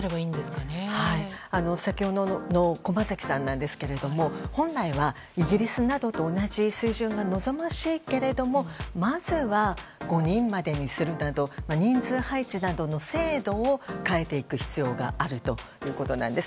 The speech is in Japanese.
先ほどの駒崎さんなんですが本来はイギリスなどと同じ水準が望ましいけれどもまずは５人までにするなど人数配置などの制度を変えていく必要があるということです。